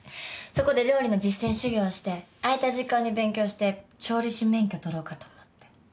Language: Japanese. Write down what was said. そこで料理の実践修業して空いた時間に勉強して調理師免許取ろうかと思って。